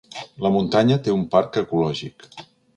La muntanya té un parc ecològic.